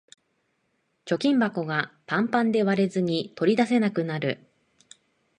貯金箱がパンパンで割れずに取り出せなくなる